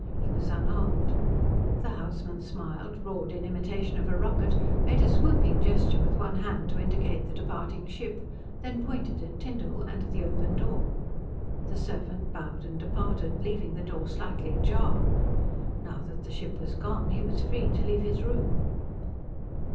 He was unarmed. The houseman smiled, roared in imitation of a rocket, made a swooping gesture with one hand to indicate the departing ship, then pointed at Tyndall and at the open door. The servant bowed and departed, leaving the door slightly ajar. Now that the ship was gone, he was free to leave his room.